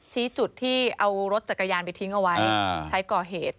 ชี้จุดที่เอารถจักรยานไปทิ้งเอาไว้ใช้ก่อเหตุ